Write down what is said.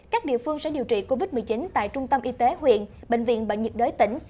các địa phương sẽ điều trị covid một mươi chín tại trung tâm y tế huyện bệnh viện bệnh nhiệt đới tỉnh